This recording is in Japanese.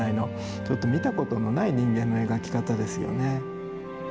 ちょっと見たことのない人間の描き方ですよね。